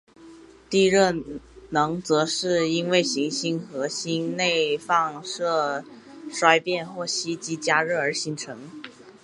地热能则是因为行星核心内放射性衰变或吸积加热而形成。